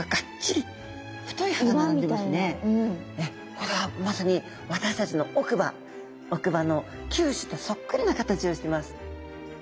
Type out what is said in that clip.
これはまさに私たちの奥歯奥歯の臼歯とそっくりな形をしてます。